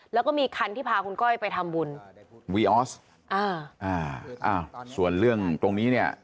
แล้วก็มีคันที่พาคุณก้อยไปทำบุญวีออสอ่าอ่าส่วนเรื่องตรงนี้เนี่ย